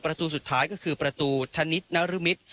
ประตูสุดท้ายก็คือประตูธนิษฐนรมิตร